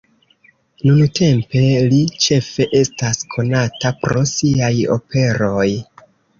Nuntempe li ĉefe estas konata pro siaj operoj.